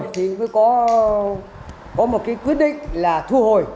thì mới có một cái quyết định là thu hồi